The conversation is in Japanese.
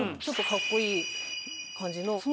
ちょっとカッコいい感じの。